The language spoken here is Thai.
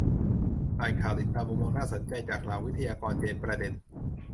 อ่านข่าว ติดตามมุมมองน่าสนใจ จากเหล่าวิทยากรเจนประเด็น